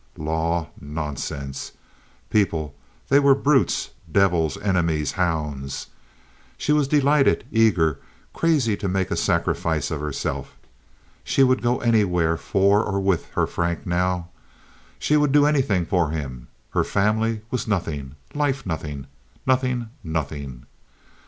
Law—nonsense! People—they were brutes, devils, enemies, hounds! She was delighted, eager, crazy to make a sacrifice of herself. She would go anywhere for or with her Frank now. She would do anything for him. Her family was nothing—life nothing, nothing, nothing.